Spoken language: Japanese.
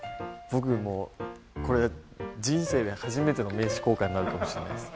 僕もこれ人生で初めての名刺交換になるかもしれないです